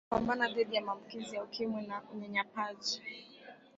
ya kupambana dhidi ya maambukizi ya ukimwi na unyanyapaji